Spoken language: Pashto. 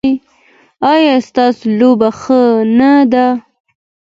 ایا ستاسو لوبه ښه نه ده؟